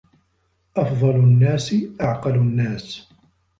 أَفْضَلُ النَّاسِ أَعْقَلُ النَّاسِ